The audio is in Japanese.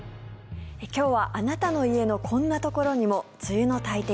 今日はあなたの家のこんなところにも梅雨の大敵！